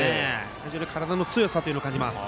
非常に体の強さを感じます。